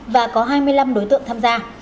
và có hai mươi năm đối tượng tham gia